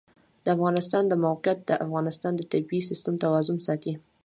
د افغانستان د موقعیت د افغانستان د طبعي سیسټم توازن ساتي.